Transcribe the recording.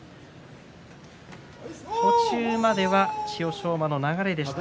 途中までは千代翔馬の流れでした。